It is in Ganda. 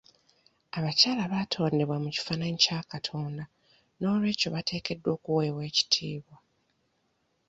Abakyala baatondebwa mu kifaananyi kya Katonda n'olwekyo bateekeddwa okuweebwa ekitiibwa.